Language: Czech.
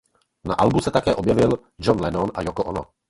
Na albu se také objevily John Lennon a Yoko Ono.